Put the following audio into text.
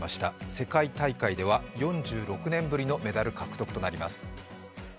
世界大会では４６年ぶりのメダル獲得となります。